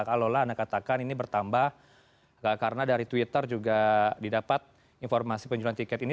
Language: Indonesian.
kalau lah anda katakan ini bertambah karena dari twitter juga didapat informasi penjualan tiket ini